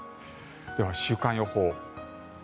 では、週間予報。